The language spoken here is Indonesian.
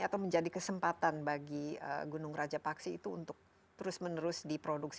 atau menjadi kesempatan bagi gunung raja paksi itu untuk terus menerus diproduksi